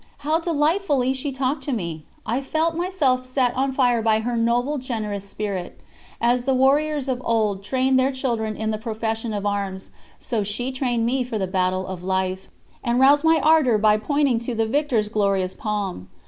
How delightfully she talked to me! I felt myself set on fire by her noble, generous spirit. As the warriors of old trained their children in the profession of arms, so she trained me for the battle of life, and roused my ardour by pointing to the victor's glorious palm.